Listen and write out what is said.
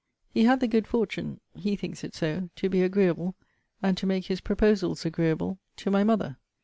He had the good fortune [he thinks it so] to be agreeable (and to make his proposals agreeable) to my mother.